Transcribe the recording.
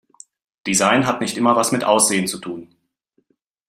Design hat nicht immer etwas mit Aussehen zu tun.